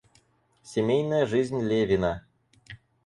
Семейная жизнь Левина.